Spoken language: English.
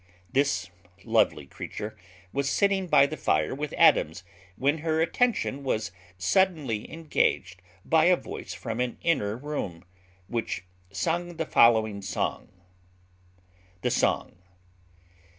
This lovely creature was sitting by the fire with Adams, when her attention was suddenly engaged by a voice from an inner room, which sung the following song: THE SONG.